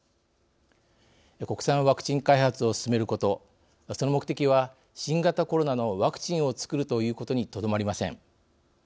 国産ワクチン開発を進めることその目的は新型コロナのワクチンを作るということにとどまりません。